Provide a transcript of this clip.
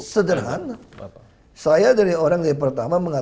sederhana saya dari orang yang pertama mengatakan